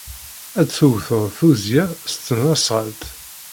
Ad d-tewted tuzzya s tesnasɣalt.